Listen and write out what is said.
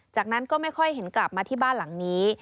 จากนั้นก็ไม่ค่อยเห็นกลับมาที่บ้านหลังนี้